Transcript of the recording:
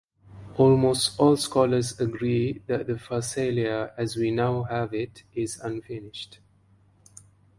Almost all scholars agree that the "Pharsalia" as we now have it is unfinished.